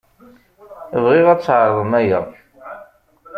Bɣiɣ ad tɛeṛḍem aya.